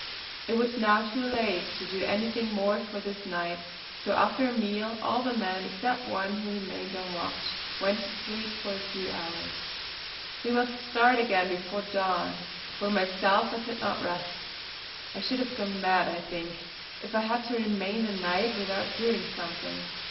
It was now too late to do anything more for this night; so, after a meal, all the men, except one who remained on watch, went to sleep for a few hours. We must start again before dawn. For myself I could not rest; I should have gone mad, I think, if I had to remain the night without doing something.